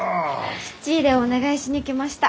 質入れをお願いしに来ました。